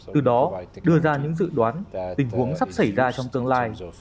từ đó đưa ra những dự đoán tình huống sắp xảy ra trong tương lai